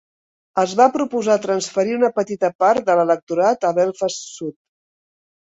Es va proposar transferir una petita part de l'electorat a Belfast Sud.